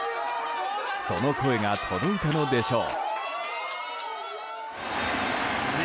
その声が届いたのでしょう。